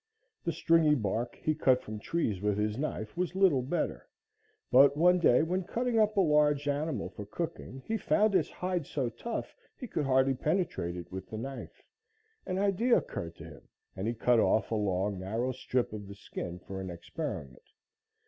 The stringy bark he cut from trees with his knife was little better, but, one day when cutting up a large animal for cooking, he found its hide so tough he could hardly penetrate it with the knife, an idea occurred to him, and he cut off a long narrow strip of the skin for an experiment.